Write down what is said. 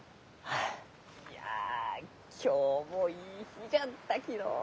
あいや今日もいい日じゃったきのう！